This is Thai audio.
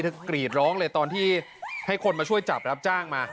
กรีดร้องเลยตอนที่ให้คนมาช่วยจับรับจ้างมา